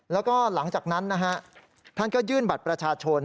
แล้วก็หลังจากนั้นนะฮะท่านก็ยื่นบัตรประชาชน